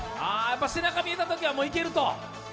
背中見えたときはいけると？